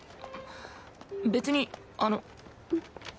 別にあの。